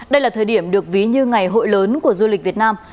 đây là thời điểm được ví như ngày hội lớn của du lịch việt nam